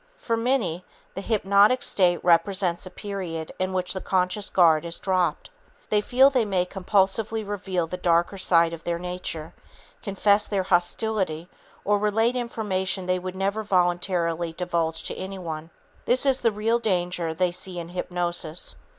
For many, the hypnotic state represents a period in which the conscious guard is dropped. They feel they may compulsively reveal the darker side of their nature, confess their hostility or relate information they would never voluntarily divulge to anyone. This is the real danger they see in hypnosis.